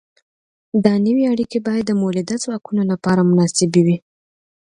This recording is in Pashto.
دا نوې اړیکې باید د مؤلده ځواکونو لپاره مناسبې وي.